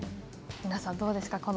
皆さんどうですか